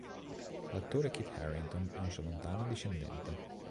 L'attore Kit Harington è un suo lontano discendente.